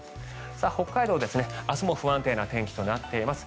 北海道、明日も不安定な天気となっています。